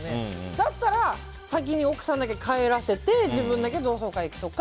だから、先に奥さんだけ帰らせて自分だけ同窓会に行くとか。